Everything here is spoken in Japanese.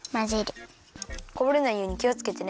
こぼれないようにきをつけてね。